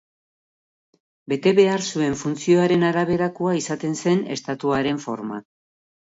Bete behar zuen funtzioaren araberakoa izaten zen estatuaren forma.